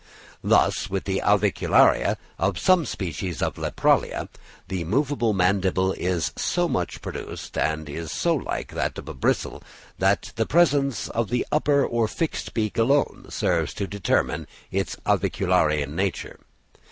Thus, with the avicularia of several species of Lepralia, the movable mandible is so much produced and is so like a bristle that the presence of the upper or fixed beak alone serves to determine its avicularian nature.